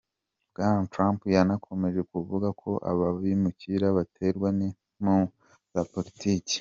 Bwana Trump yanakomeje kuvuga ko aba bimukira baterwa n'impamvu za politiki.